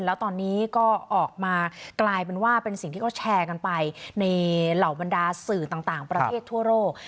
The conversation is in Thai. แล้วตอนนี้ก็ออกมากลายเป็นว่าเป็นสิ่งที่เขาแชร์กันไปในเหล่าบรรดาสื่อต่างประเทศทั่วโลก